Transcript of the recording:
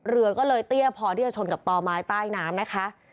เรือก็เลยเตี้ยพอที่จะชนกับต่อไม้ใต้น้ำนะคะ